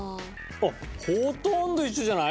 あっほとんど一緒じゃない？